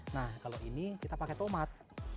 nah kalau ini kita pakai tomat